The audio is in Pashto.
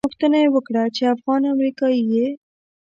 پوښتنه یې وکړه چې افغان امریکایي یې.